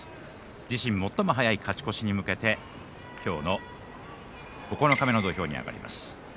自身最も早い勝ち越しに向けて今日の九日目の土俵に上がります。